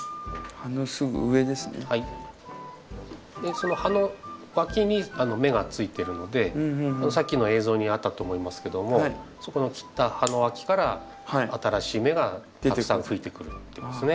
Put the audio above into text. その葉のわきに芽がついてるのでさっきの映像にあったと思いますけどもそこの切った葉のわきから新しい芽がたくさん吹いてくるっていうことですね。